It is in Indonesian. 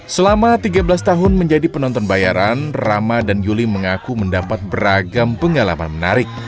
selama tiga belas tahun menjadi penonton bayaran rama dan yuli mengaku mendapat beragam pengalaman menarik